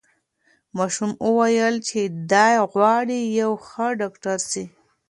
ماشوم وویل چې دی غواړي یو ښه ډاکټر سي.